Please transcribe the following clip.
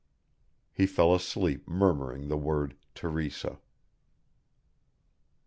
He fell asleep murmuring the word Teresa.